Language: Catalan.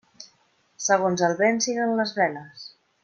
Segons el vent siguen les veles.